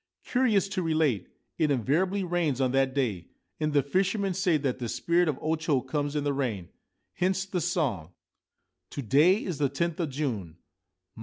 Curious to relate, it invariably rains on that day, and the fishermen say that the spirit of O Cho comes in the rain. Hence the song :— To day is the tenth of June.